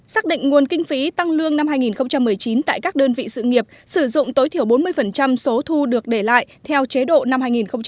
xác định nguồn kinh phí tăng lương năm hai nghìn một mươi chín tại các đơn vị sự nghiệp sử dụng tối thiểu bốn mươi số thu được để lại theo chế độ năm hai nghìn một mươi chín